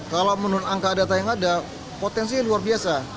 kalau menurut angka data yang ada potensinya luar biasa